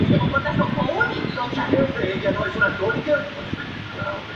Su buen nivel le permitió llegar a la selección.